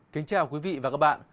kính chào quý vị và các bạn